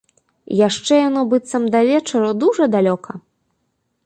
Яшчэ яно быццам да вечару дужа далёка.